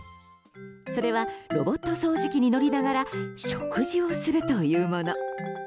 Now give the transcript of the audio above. それはロボット掃除機に乗りながら食事をするというもの。